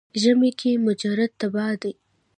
ژمي کې مجرد تبا دی.